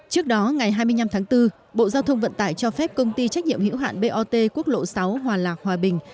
trước đó ngày hai mươi năm tháng bốn bộ giao thông vận tải cho phép công ty trách nhiệm hiểu hạn bot quốc lộ sáu hòa lạc hòa bình